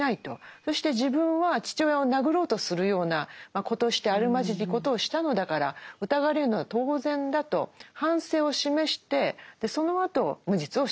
そして自分は父親を殴ろうとするような子としてあるまじきことをしたのだから疑われるのは当然だと反省を示してそのあと無実を主張する。